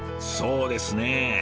そうですね。